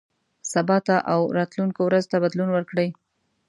سبا ته او راتلونکو ورځو ته بدلون ورکړئ.